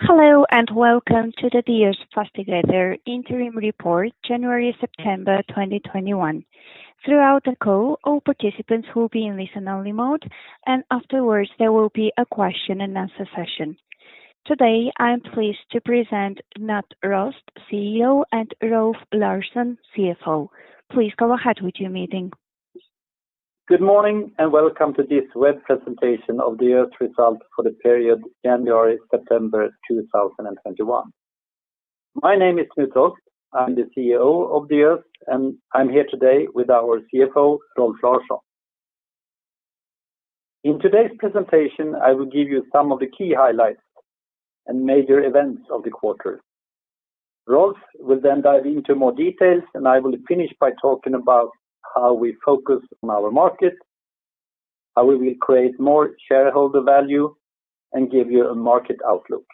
Hello, and welcome to the Diös Fastigheter interim report January-September 2021. Throughout the call, all participants will be in listen-only mode, and afterwards there will be a question and answer session. Today, I'm pleased to present Knut Rost, CEO, and Rolf Larsson, CFO. Please go ahead with your meeting. Good morning, and welcome to this web presentation of Diös results for the period January-September 2021. My name is Knut Rost, I'm the CEO of Diös, and I'm here today with our CFO, Rolf Larsson. In today's presentation, I will give you some of the key highlights and major events of the quarter. Rolf will then dive into more details, and I will finish by talking about how we focus on our market, how we will create more shareholder value, and give you a market outlook.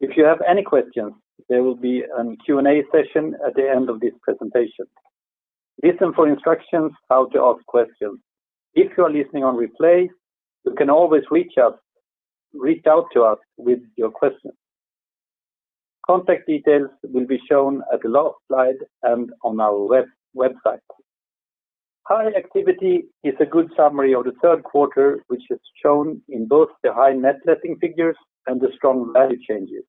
If you have any questions, there will be an Q&A session at the end of this presentation. Listen for instructions how to ask questions. If you are listening on replay, you can always reach out to us with your questions. Contact details will be shown at the last slide and on our website. High activity is a good summary of the third quarter, which is shown in both the high net letting figures and the strong value changes.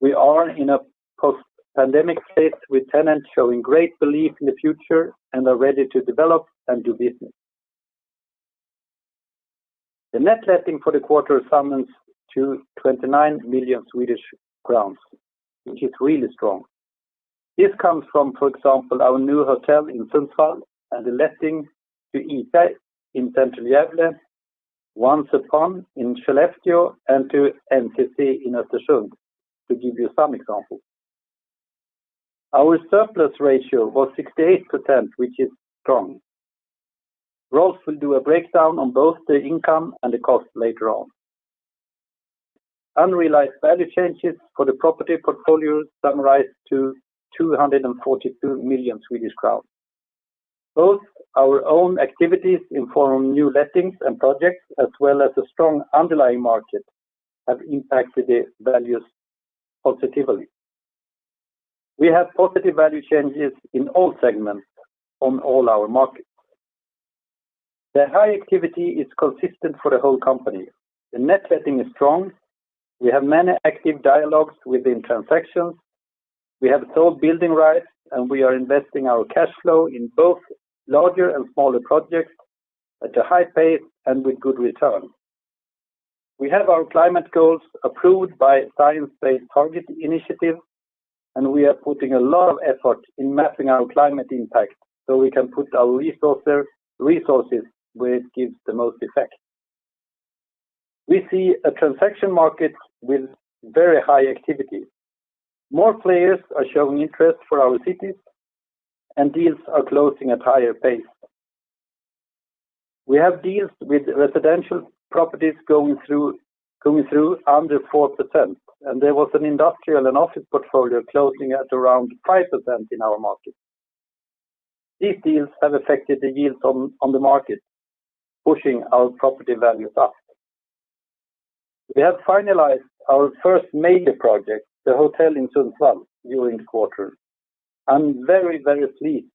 We are in a post-pandemic phase with tenants showing great belief in the future and are ready to develop and do business. The net letting for the quarter summed to 29 million Swedish crowns, which is really strong. This comes from, for example, our new hotel in Sundsvall and the letting to ICA in central Gävle, Once Upon in Skellefteå, and to NCC in Östersund, to give you some examples. Our surplus ratio was 68%, which is strong. Rolf will do a breakdown on both the income and the cost later on. Unrealized value changes for the property portfolio summarized to 242 million Swedish crowns. Both our own activities in form of new lettings and projects as well as a strong underlying market have impacted the values positively. We have positive value changes in all segments on all our markets. The high activity is consistent for the whole company. The net letting is strong. We have many active dialogues within transactions. We have sold building rights. We are investing our cash flow in both larger and smaller projects at a high pace and with good return. We have our climate goals approved by Science Based Targets initiative. We are putting a lot of effort in mapping our climate impact so we can put our resources where it gives the most effect. We see a transaction market with very high activity. More players are showing interest for our cities. Deals are closing at higher pace. We have deals with residential properties going through under 4%, and there was an industrial and office portfolio closing at around 5% in our market. These deals have affected the yields on the market, pushing our property values up. We have finalized our first major project, the hotel in Sundsvall, during the quarter. I'm very pleased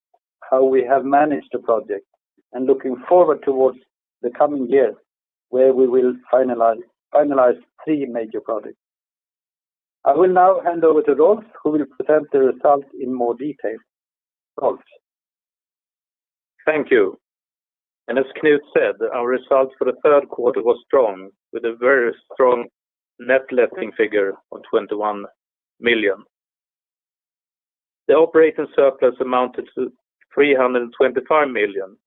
how we have managed the project and looking forward towards the coming year where we will finalize three major projects. I will now hand over to Rolf, who will present the results in more detail. Rolf? Thank you. As Knut said, our results for the 3rd quarter was strong with a very strong net letting figure of 21 million. The operating surplus amounted to 325 million,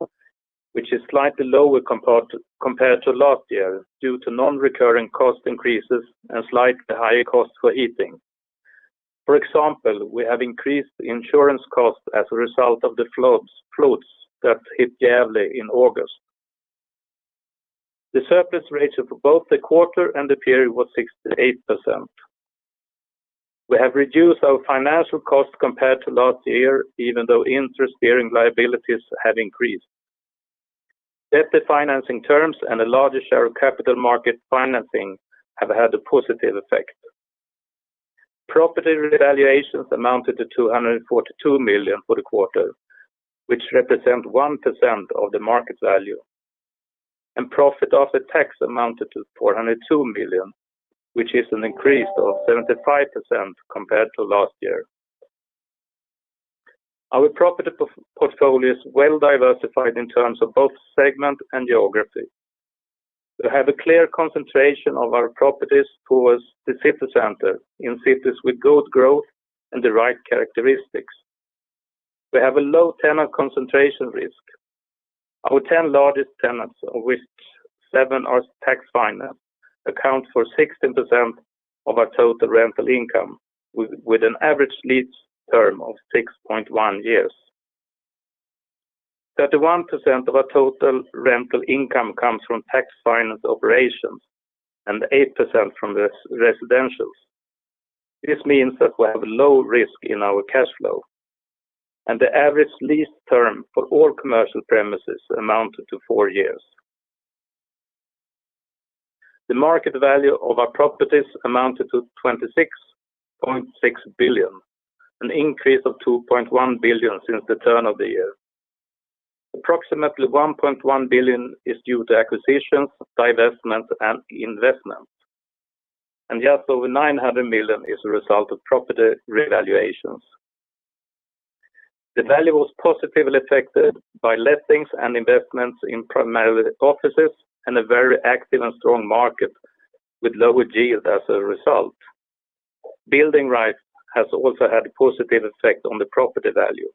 which is slightly lower compared to last year due to non-recurring cost increases and slightly higher costs for heating. For example, we have increased insurance costs as a result of the floods that hit Gävle in August. The surplus rates for both the quarter and the period was 68%. We have reduced our financial cost compared to last year, even though interest-bearing liabilities have increased. Better financing terms and a larger share of capital market financing have had a positive effect. Property revaluations amounted to 242 million for the quarter, which represent 1% of the market value. Profit after tax amounted to 402 million, which is an increase of 75% compared to last year. Our property portfolio is well-diversified in terms of both segment and geography. We have a clear concentration of our properties towards the city center in cities with good growth and the right characteristics. We have a low tenant concentration risk. Our 10 largest tenants, of which seven are tax-financed, account for 16% of our total rental income, with an average lease term of 6.1 years. 31% of our total rental income comes from tax finance operations and 8% from the residentials. This means that we have a low risk in our cash flow, and the average lease term for all commercial premises amounted to four years. The market value of our properties amounted to 26.6 billion, an increase of 2.1 billion since the turn of the year. Approximately 1.1 billion is due to acquisitions, divestments, and investments, and just over 900 million is a result of property revaluations. The value was positively affected by lettings and investments in primarily offices and a very active and strong market with lower yield as a result. Building rights has also had a positive effect on the property value.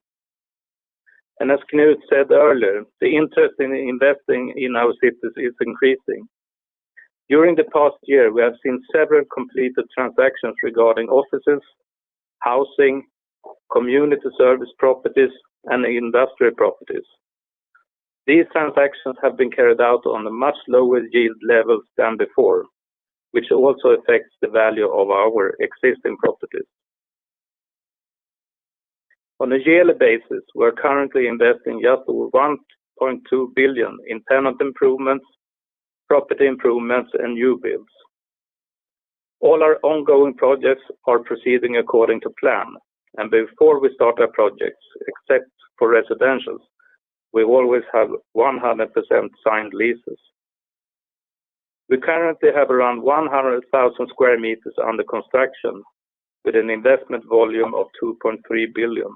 As Knut said earlier, the interest in investing in our cities is increasing. During the past year, we have seen several completed transactions regarding offices, housing, community service properties, and industrial properties. These transactions have been carried out on a much lower yield level than before, which also affects the value of our existing properties. On a yearly basis, we're currently investing just over 1.2 billion in tenant improvements, property improvements, and new builds. All our ongoing projects are proceeding according to plan. Before we start our projects, except for residentials, we always have 100% signed leases. We currently have around 100,000 sq m under construction with an investment volume of 2.3 billion.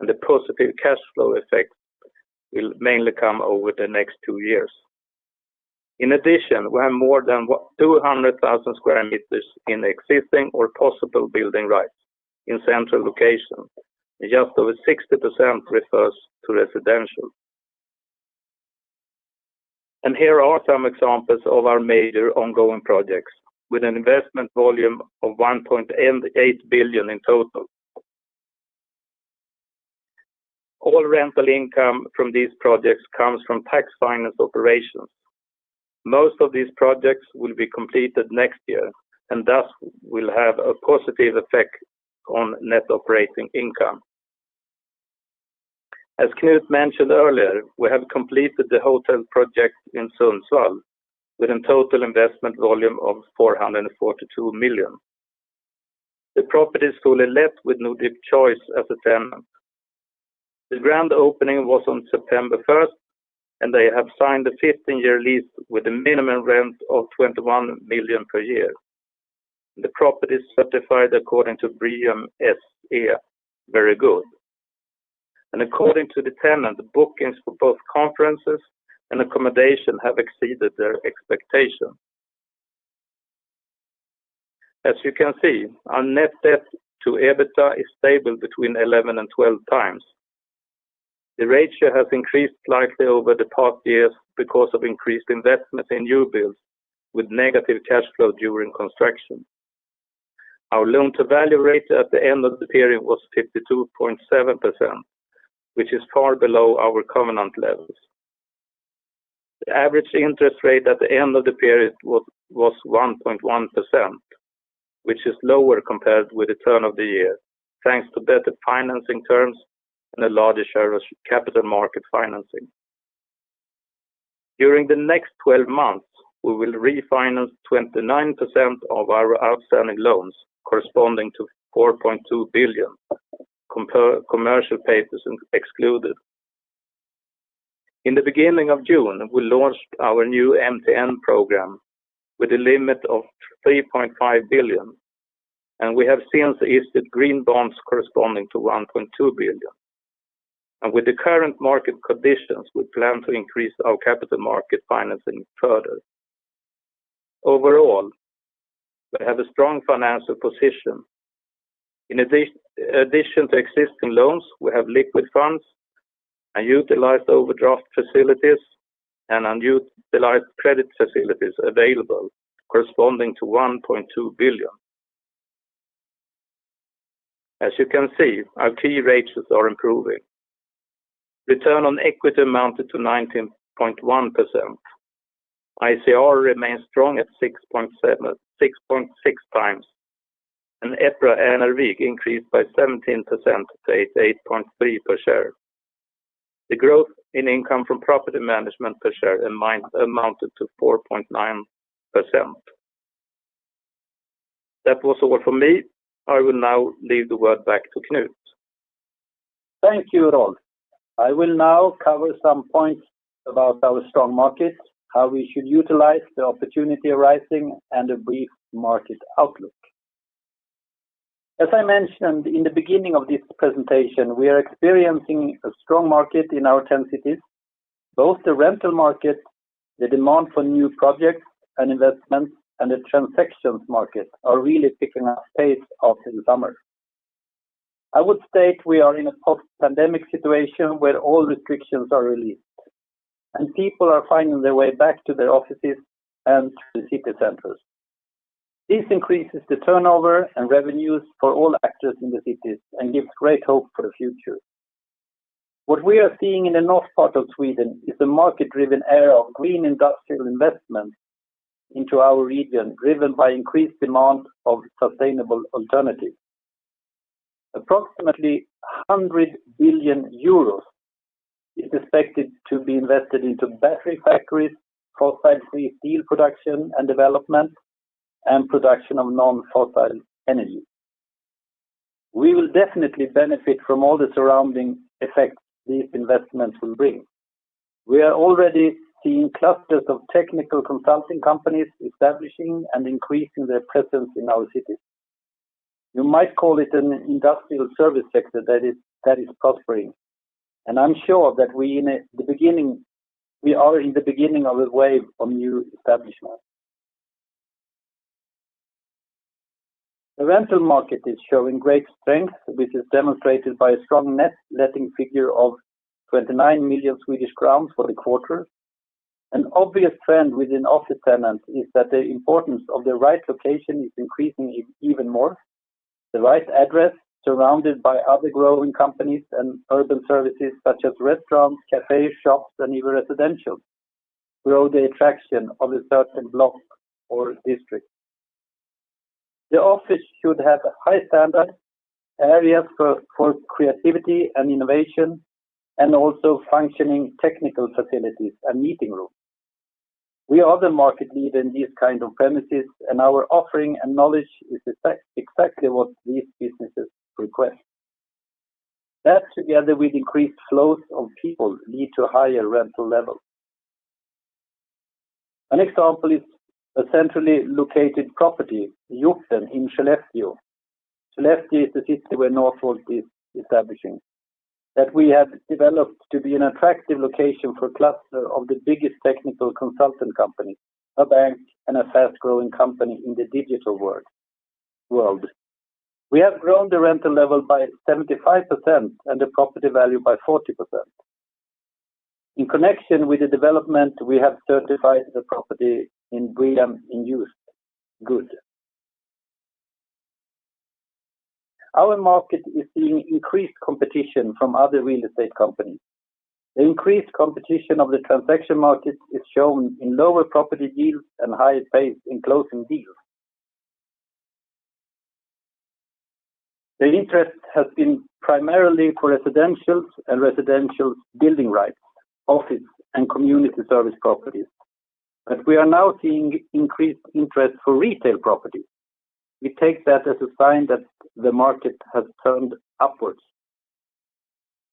The positive cash flow effect will mainly come over the next two years. In addition, we have more than 200,000 sq m in existing or possible building rights in central locations. Just over 60% refers to residential. Here are some examples of our major ongoing projects with an investment volume of 1.8 billion in total. All rental income from these projects comes from tax finance operations. Most of these projects will be completed next year and thus will have a positive effect on net operating income. As Knut mentioned earlier, we have completed the hotel project in Sundsvall with a total investment volume of 442 million. The property is fully let with Nordic Choice as the tenant. The grand opening was on September 1st, and they have signed a 15-year lease with a minimum rent of 21 million per year. The property is certified according to BREEAM-SE Very Good. According to the tenant, the bookings for both conferences and accommodation have exceeded their expectations. As you can see, our net debt to EBITDA is stable between 11x and 12x. The ratio has increased slightly over the past years because of increased investments in new builds with negative cash flow during construction. Our loan-to-value rate at the end of the period was 52.7%, which is far below our covenant levels. The average interest rate at the end of the period was 1.1%, which is lower compared with the turn of the year, thanks to better financing terms and a larger share of capital market financing. During the next 12 months, we will refinance 29% of our outstanding loans, corresponding to 4.2 billion, commercial papers excluded. In the beginning of June, we launched our new MTN program with a limit of 3.5 billion. We have since issued green bonds corresponding to 1.2 billion. With the current market conditions, we plan to increase our capital market financing further. Overall, we have a strong financial position. In addition to existing loans, we have liquid funds and utilized overdraft facilities and unutilized credit facilities available corresponding to SEK 1.2 billion. As you can see, our key ratios are improving. Return on equity amounted to 19.1%. ICR remains strong at 6.6x. EPRA NRV increased by 17% to 8.3 per share. The growth in income from property management per share amounted to 4.9%. That was all from me. I will now leave the word back to Knut. Thank you, Rolf Larsson. I will now cover some points about our strong market, how we should utilize the opportunity arising, and a brief market outlook. As I mentioned in the beginning of this presentation, we are experiencing a strong market in our 10 cities. Both the rental market, the demand for new projects and investments, and the transactions market are really picking up pace after the summer. I would state we are in a post-pandemic situation where all restrictions are released and people are finding their way back to their offices and to the city centers. This increases the turnover and revenues for all actors in the cities and gives great hope for the future. What we are seeing in the north part of Sweden is the market-driven era of green industrial investment into our region, driven by increased demand of sustainable alternatives. Approximately 100 billion euros is expected to be invested into battery factories, fossil-free steel production and development, and production of non-fossil energy. We will definitely benefit from all the surrounding effects these investments will bring. We are already seeing clusters of technical consulting companies establishing and increasing their presence in our cities. You might call it an industrial service sector that is prospering, and I'm sure that we are in the beginning of a wave of new establishments. The rental market is showing great strength, which is demonstrated by a strong net letting figure of 29 million Swedish crowns for the quarter. An obvious trend within office tenants is that the importance of the right location is increasing even more. The right address, surrounded by other growing companies and urban services such as restaurants, cafes, shops, and even residential, grow the attraction of a certain block or district. The office should have high-standard areas for creativity and innovation and also functioning technical facilities and meeting rooms. We are the market leader in these kind of premises. Our offering and knowledge is exactly what these businesses request. That, together with increased flows of people, lead to higher rental levels. An example is a centrally located property, Jokeln, in Skellefteå. Skellefteå is the city where Northvolt is establishing, that we have developed to be an attractive location for a cluster of the biggest technical consultant companies, a bank, and a fast-growing company in the digital world. We have grown the rental level by 75% and the property value by 40%. In connection with the development, we have certified the property in BREEAM In-Use, Good. Our market is seeing increased competition from other real estate companies. The increased competition of the transaction market is shown in lower property yields and higher pace in closing deals. The interest has been primarily for residentials and residential building rights, office, and community service properties. We are now seeing increased interest for retail property. We take that as a sign that the market has turned upwards.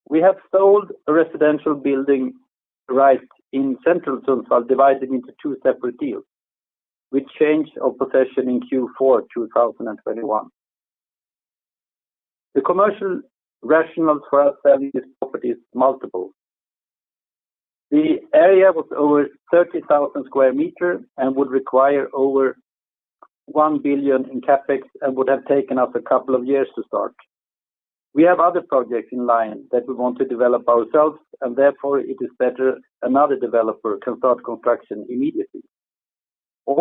We have sold a residential building right in central Sundsvall, divided into two separate deals, with change of possession in Q4 2021. The commercial rationale for us selling this property is multiple. The area was over 30,000 sq m and would require over 1 billion in CapEx and would have taken us a couple of years to start. We have other projects in line that we want to develop ourselves, and therefore, it is better another developer can start construction immediately. A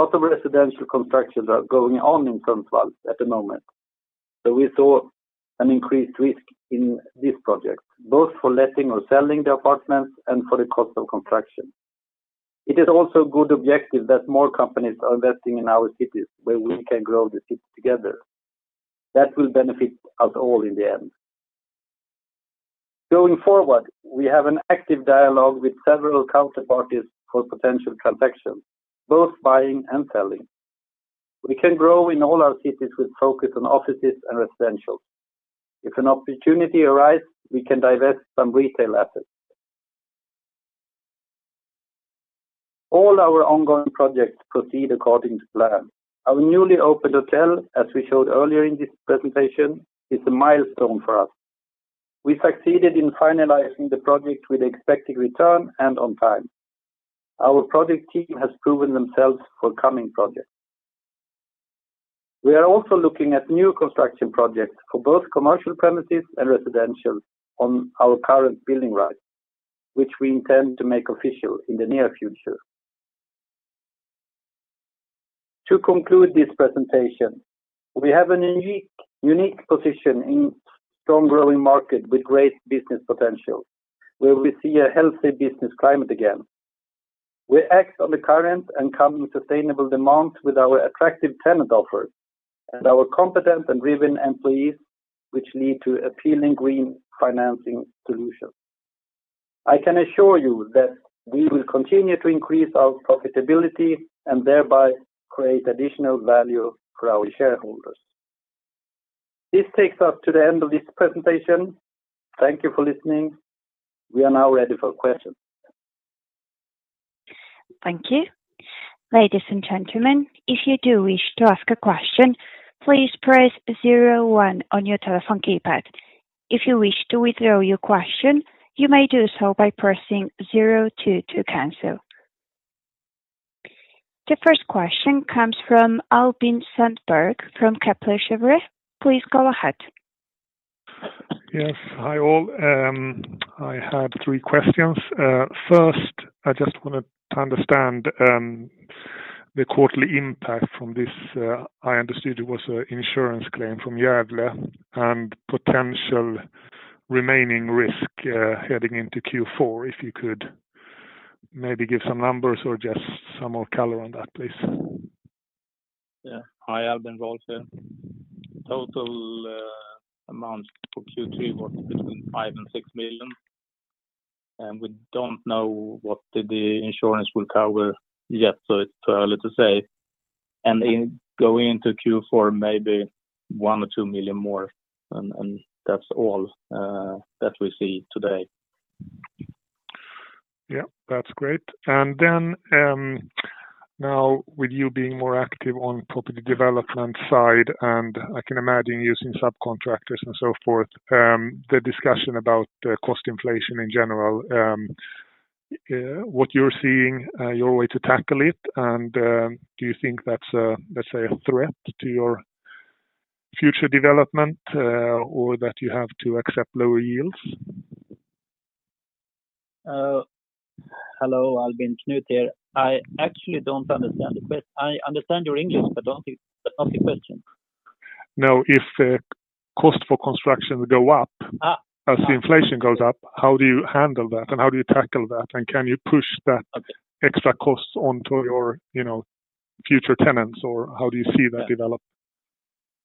lot of residential constructions are going on in Sundsvall at the moment. We saw an increased risk in this project, both for letting or selling the apartments and for the cost of construction. It is also a good objective that more companies are investing in our cities where we can grow the cities together. That will benefit us all in the end. Going forward, we have an active dialogue with several counterparties for potential transactions, both buying and selling. We can grow in all our cities with focus on offices and residential. If an opportunity arise, we can divest some retail assets. All our ongoing projects proceed according to plan. Our newly opened hotel, as we showed earlier in this presentation, is a milestone for us. We succeeded in finalizing the project with expected return and on time. Our project team has proven themselves for coming projects. We are also looking at new construction projects for both commercial premises and residential on our current building rights, which we intend to make official in the near future. To conclude this presentation, we have a unique position in a strong growing market with great business potential, where we see a healthy business climate again. We act on the current and coming sustainable demands with our attractive tenant offer and our competent and driven employees, which lead to appealing green financing solutions. I can assure you that we will continue to increase our profitability and thereby create additional value for our shareholders. This takes us to the end of this presentation. Thank you for listening. We are now ready for questions. Thank you. Ladies and gentlemen, if you do wish to ask a question, please press zero-one on your telephone keypad. If you wish to withdraw your question, you may do so by pressing zero-two to cancel. The first question comes from Albin Sandberg from Kepler Cheuvreux. Please go ahead. Yes. Hi, all. I have three questions. First, I just want to understand the quarterly impact from this, I understood it was an insurance claim from Gävle and potential remaining risk heading into Q4. If you could maybe give some numbers or just some more color on that, please. Yeah. Hi, Albin. Rolf Larsson here. Total amount for Q3 was between 5 million and 6 million, and we don't know what the insurance will cover yet, so it's too early to say. Going into Q4, maybe 1 million or 2 million more, and that's all that we see today. Yeah. That's great. Now with you being more active on property development side, and I can imagine using subcontractors and so forth, the discussion about cost inflation in general, what you're seeing, your way to tackle it, and do you think that's a threat to your future development or that you have to accept lower yields? Hello Albin, Knut here. I actually don't understand the question. I understand your English but not your question. Now, if the cost for construction go up. As the inflation goes up, how do you handle that and how do you tackle that? Can you push that extra cost onto your future tenants, or how do you see that develop?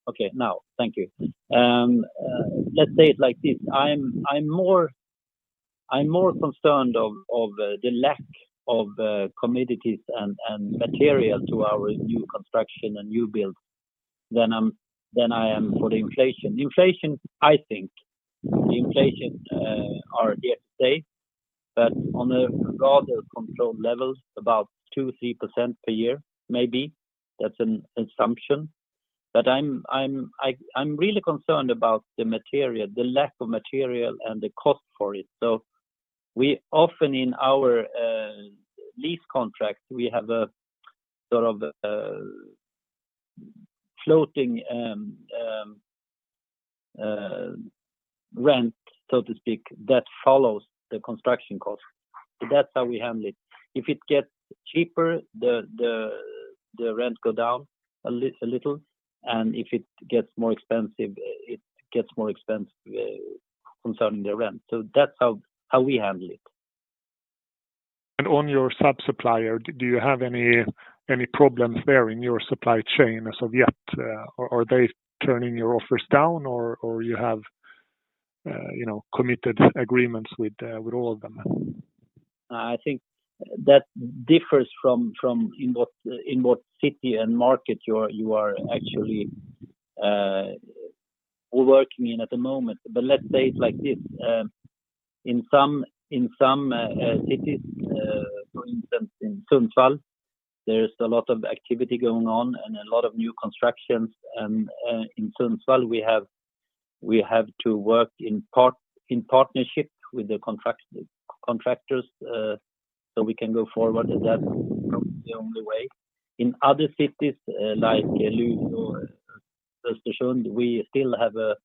Okay. Now, thank you. Let's say it like this. I'm more concerned of the lack of commodities and material to our new construction and new build than I am for the inflation. Inflation, I think the inflation are here to stay, but on a rather controlled level, about 2%, 3% per year, maybe. That's an assumption. I'm really concerned about the material, the lack of material and the cost for it. We often in our lease contracts, we have a sort of floating rent, so to speak, that follows the construction cost. That's how we handle it. If it gets cheaper, the rent go down a little, and if it gets more expensive, it gets more expensive concerning the rent. That's how we handle it. On your sub-supplier, do you have any problems there in your supply chain as of yet? Are they turning your offers down or you have committed agreements with all of them? I think that differs in what city and market you are actually working in at the moment. Let's say it like this. In some cities, for instance, in Sundsvall, there is a lot of activity going on and a lot of new constructions. In Sundsvall, we have to work in partnership with the contractors so we can go forward, and that's probably the only way. In other cities like Luleå or Östersund, we still have a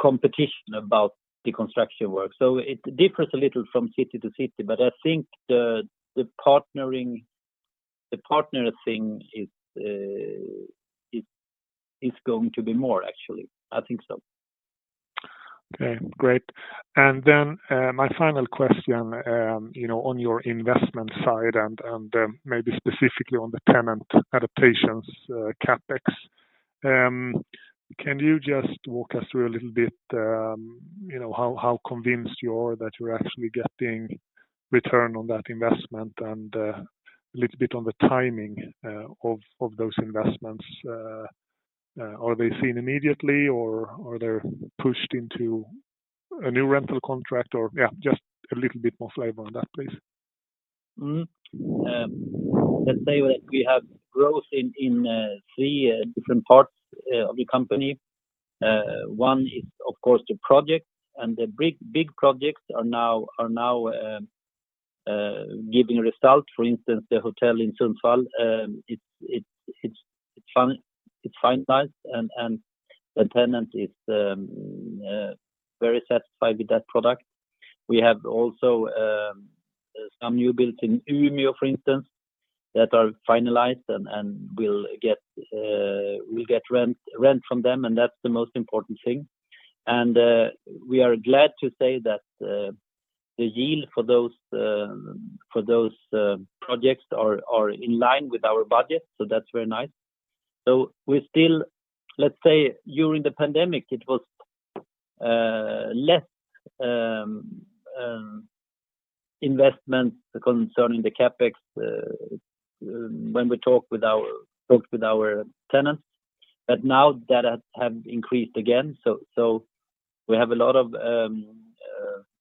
competition about the construction work. It differs a little from city to city, but I think the partner thing is going to be more actually. I think so. Okay. Great. My final question on your investment side and maybe specifically on the tenant adaptations CapEx. Can you just walk us through a little bit how convinced you are that you're actually getting return on that investment and a little bit on the timing of those investments? Are they seen immediately or are they pushed into a new rental contract? Just a little bit more flavor on that, please. Let's say that we have growth in three different parts of the company. One is of course the project and the big projects are now giving results. For instance, the hotel in Sundsvall it's finalized and the tenant is very satisfied with that product. We have also some new build in Umeå, for instance, that are finalized and we'll get rent from them and that's the most important thing. We are glad to say that the yield for those projects are in line with our budget, so that's very nice. Let's say during the pandemic, it was less investment concerning the CapEx when we talked with our tenants, but now that has increased again. We have a lot of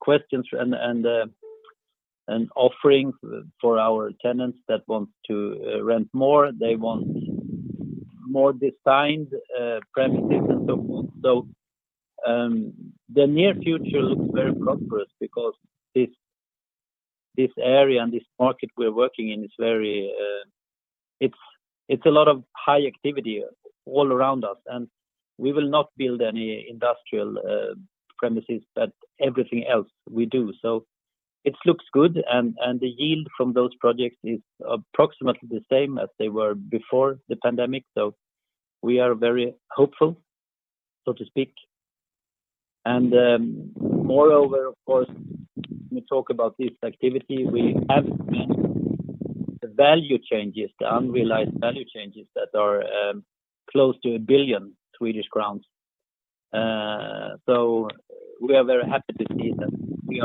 questions and offerings for our tenants that want to rent more. They want more designed premises and so forth. The near future looks very prosperous because this area and this market we're working in is very. It's a lot of high activity all around us, and we will not build any industrial premises, but everything else we do. It looks good, and the yield from those projects is approximately the same as they were before the pandemic. We are very hopeful, so to speak. Moreover, of course, when we talk about this activity, we have seen the unrealized value changes that are close to 1 billion Swedish crowns. We are very happy to see that we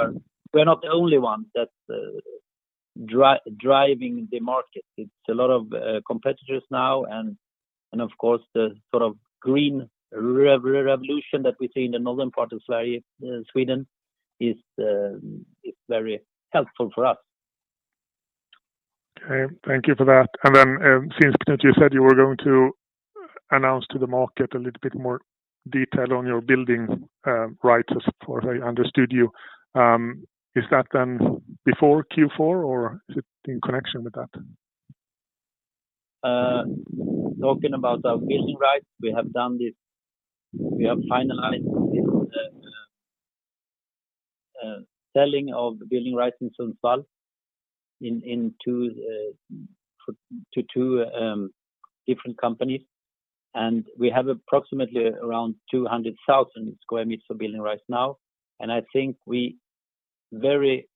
are not the only ones that are driving the market. It's a lot of competitors now, and of course, the sort of green revolution that we see in the northern part of Sweden is very helpful for us. Okay. Thank you for that. Since you said you were going to announce to the market a little bit more detail on your building rights, as far as I understood you, is that before Q4 or is it in connection with that? Talking about our building rights, we have finalized the selling of building rights in Sundsvall to two different companies, and we have approximately around 200,000 sq m of building rights now. I think very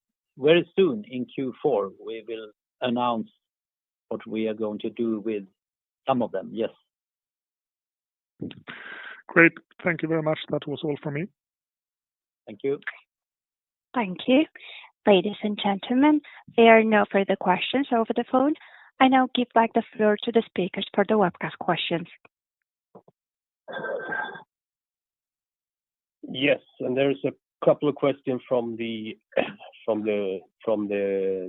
soon in Q4 we will announce what we are going to do with some of them. Yes. Great. Thank you very much. That was all from me. Thank you. Thank you. Ladies and gentlemen, there are no further questions over the phone. I now give back the floor to the speakers for the webcast questions. Yes, there's a couple of questions from the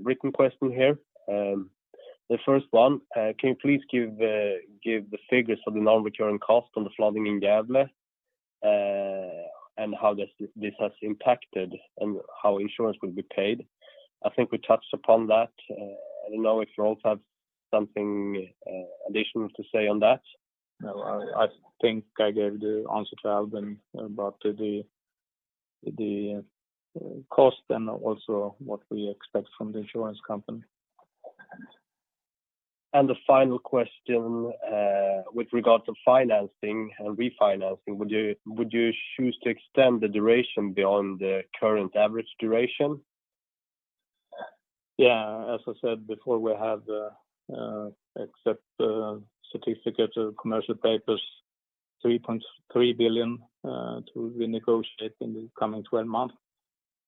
written questions here. The first one, can you please give the figures for the non-recurring cost on the flooding in Gävle, and how this has impacted, and how insurance will be paid? I think we touched upon that. I don't know if you all have something additional to say on that. No, I think I gave the answer to Albin about the cost and also what we expect from the insurance company. The final question with regard to financing and refinancing, would you choose to extend the duration beyond the current average duration? Yeah, as I said before, we have accepted certificates of commercial papers 3.3 billion to renegotiate in the coming 12 months.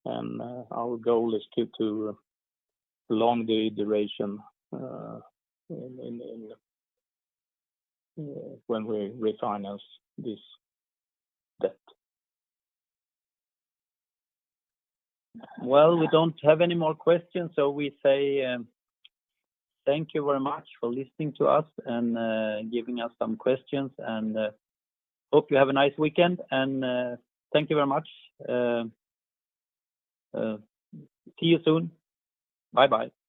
Our goal is still to prolong the duration when we refinance this debt. Well, we don't have any more questions. We say thank you very much for listening to us and giving us some questions. Hope you have a nice weekend. Thank you very much. See you soon. Bye-bye.